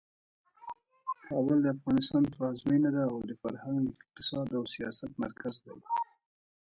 کابل د افغانستان پلازمینه ده او د فرهنګ، اقتصاد او سیاست مرکز دی.